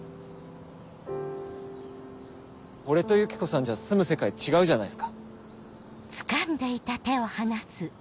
俺とユキコさんじゃ住む世界違うじゃないっすか。